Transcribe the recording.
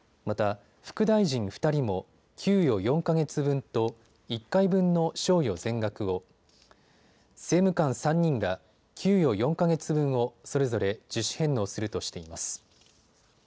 また、副大臣２人も給与４か月分と１回分の賞与全額を、政務官３人が給与４か月分をそれぞれ自主返納するとしています。